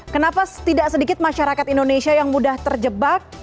kenapa tidak sedikit masyarakat indonesia yang mudah terjebak